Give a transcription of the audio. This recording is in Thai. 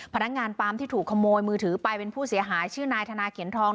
พนักงานปั๊มที่ถูกขโมยมือถือไปเป็นผู้เสียหายชื่อนายธนาเขียนทอง